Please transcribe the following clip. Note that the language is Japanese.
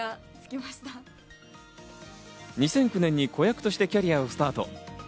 ２００９年に子役としてキャリアをスタート。